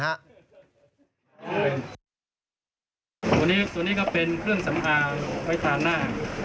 อันนี้ตัวนี้ก็เป็นเครื่องสำอางไว้ทางหน้า